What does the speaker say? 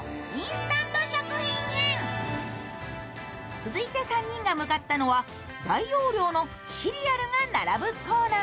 続いて３人が向かったのは、大容量のシリアルが並ぶコーナー。